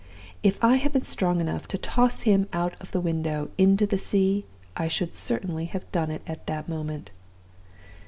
If I had been strong enough to toss him out of the window into the sea, I should certainly have done it at that moment.